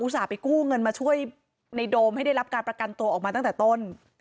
ไปกู้เงินมาช่วยในโดมให้ได้รับการประกันตัวออกมาตั้งแต่ต้น